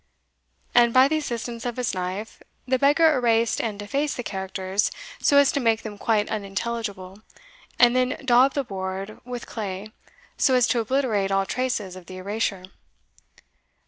And, by the assistance of his knife, the beggar erased and defaced the characters so as to make them quite unintelligible, and then daubed the board with clay so as to obliterate all traces of the erasure.